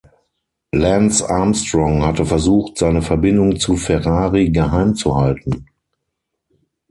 Lance Armstrong hatte versucht, seine Verbindung zu Ferrari geheim zu halten.